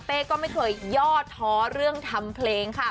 ก็ไม่เคยย่อท้อเรื่องทำเพลงค่ะ